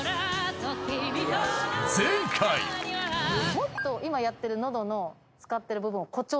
もっと今やってる喉の使ってる部分を誇張して。